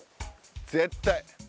絶対！